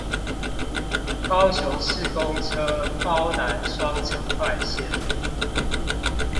高雄市公車高南雙城快線